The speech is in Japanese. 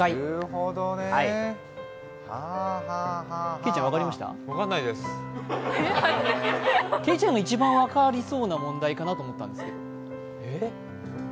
けいちゃんが一番分かりそうな問題かなと思ったんですけど。